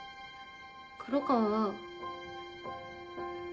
黒川は。